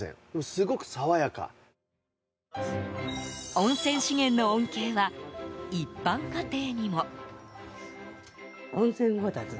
温泉資源の恩恵は一般家庭にも。